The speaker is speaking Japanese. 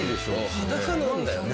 裸なんだよね。